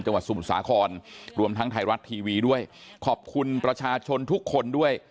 จังหวัดสูงสาขอนรวมทั้งไทยรัฐทีวีด้วยขอบคุณประชาชนทุกคนด้วย